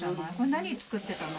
何作ってたの？